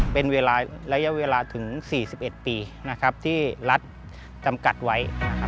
เป็นระยะเวลาถึง๔๑ปีที่รัฐจำกัดไว้